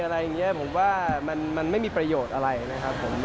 อะไรอย่างนี้ผมว่ามันไม่มีประโยชน์อะไรนะครับผม